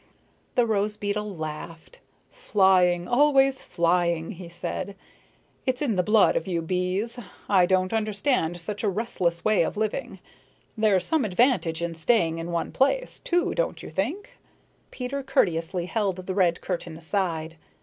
The rose beetle laughed. "Flying, always flying," he said. "It's in the blood of you bees. I don't understand such a restless way of living. There's some advantage in staying in one place, too, don't you think?" Peter courteously held the red curtain aside.